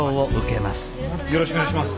よろしくお願いします。